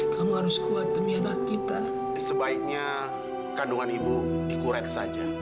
kamu harus kuat demi anak kita sebaiknya kandungan ibu dikurek saja